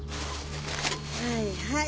はいはい。